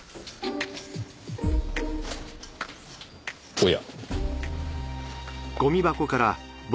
おや。